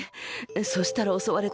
そしたらおそわれた。